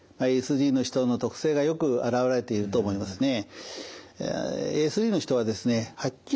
ＡＳＤの人の特性がよく表れていると思いますね。